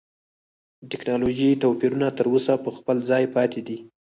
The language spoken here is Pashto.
دا ټکنالوژیکي توپیرونه تر اوسه په خپل ځای پاتې دي.